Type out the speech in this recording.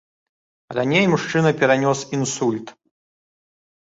Раней мужчына перанёс інсульт.